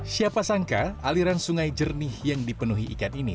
siapa sangka aliran sungai jernih yang dipenuhi ikan ini